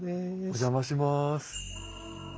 お邪魔します。